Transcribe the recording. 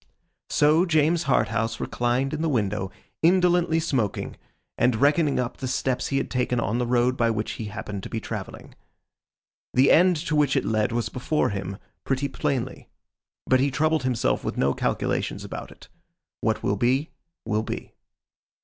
So James Harthouse reclined in the window, indolently smoking, and reckoning up the steps he had taken on the road by which he happened to be travelling. The end to which it led was before him, pretty plainly; but he troubled himself with no calculations about it. What will be, will be.